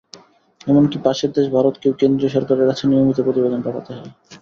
এমনকি পাশের দেশ ভারতকেও কেন্দ্রীয় সরকারের কাছে নিয়মিত প্রতিবেদন পাঠাতে হয়।